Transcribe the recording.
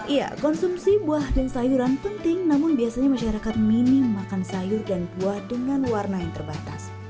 iya konsumsi buah dan sayuran penting namun biasanya masyarakat minim makan sayur dan buah dengan warna yang terbatas